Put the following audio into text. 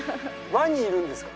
ワニいるんですか？